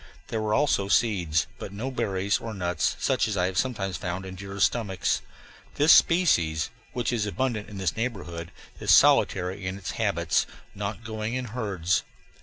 There were also seeds, but no berries or nuts such as I have sometimes found in deer's stomachs. This species, which is abundant in this neighborhood, is solitary in its habits, not going in herds.